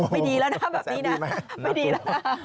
ไม่ดีแล้วนะแบบนี้นะ